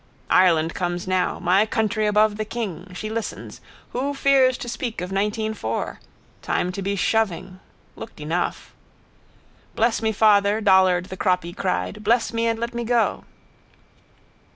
Ireland comes now. My country above the king. She listens. Who fears to speak of nineteen four? Time to be shoving. Looked enough. —Bless me, father, Dollard the croppy cried. _Bless me and let me go.